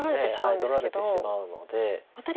取られてしまうので。